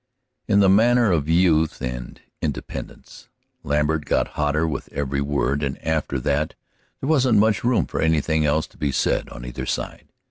In the manner of youth and independence, Lambert got hotter with every word, and after that there wasn't much room for anything else to be said on either side.